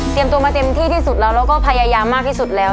ตัวมาเต็มที่ที่สุดแล้วแล้วก็พยายามมากที่สุดแล้ว